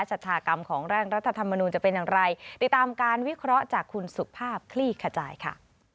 ชากรรมของร่างรัฐธรรมนูลจะเป็นอย่างไรติดตามการวิเคราะห์จากคุณสุภาพคลี่ขจายค่ะ